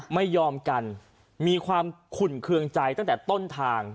ไม่ยอมกันมีความขุ่นเครื่องใจตั้งแต่ต้นทาง